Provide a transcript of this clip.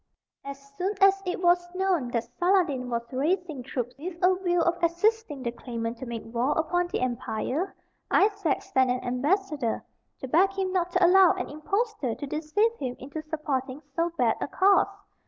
As soon as it was known that Saladin was raising troops with a view of assisting the claimant to make war upon the empire, Isaac sent an ambassador to beg him not to allow an impostor to deceive him into supporting so bad a cause.